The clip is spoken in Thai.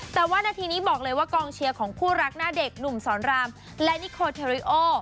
แต่ว่านาทีนี้บอกเลยว่ากองเชียร์ของคู่รักหน้าเด็กหนุ่มสอนรามและนิโคเทริโอ